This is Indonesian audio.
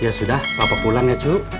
ya sudah papa pulang ya cu